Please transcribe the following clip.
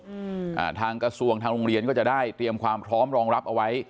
อืมอ่าทางกระทรวงทางโรงเรียนก็จะได้เตรียมความพร้อมรองรับเอาไว้